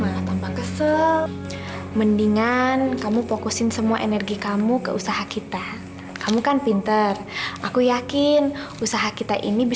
hati aku ini masih terasa sakit